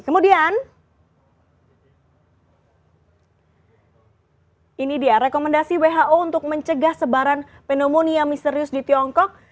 kemudian ini dia rekomendasi who untuk mencegah sebaran pneumonia misterius di tiongkok